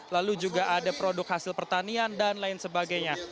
lalu juga ada produk hasil pertanian dan lain sebagainya